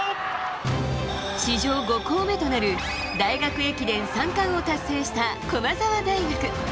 史上５校目となる大学駅伝三冠を達成した駒澤大学。